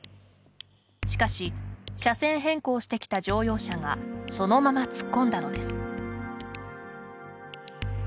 しかし車線変更してきた乗用車がそのまま突っ込んだのです。